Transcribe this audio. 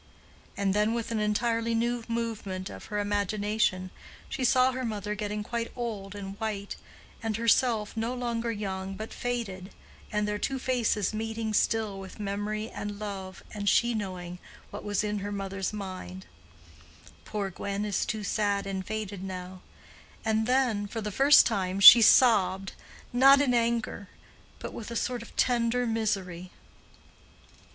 And then with an entirely new movement of her imagination, she saw her mother getting quite old and white, and herself no longer young but faded, and their two faces meeting still with memory and love, and she knowing what was in her mother's mind—"Poor Gwen too is sad and faded now"—and then, for the first time, she sobbed, not in anger, but with a sort of tender misery.